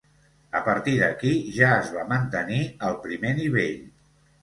A partir d'aquí, ja es va mantenir al primer nivell.